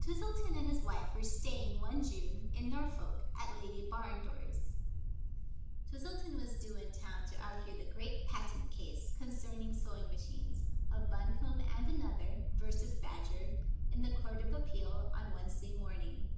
Twistleton and his wife were staying one June in Nor folk, at Lady Barndore's. Twistleton was due in town to argue the great patent case concerning sewing machines of Buncombe and Another v. Badger, in the Court of Ap peal, on Wednesday morning.